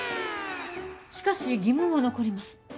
しかし疑問は残ります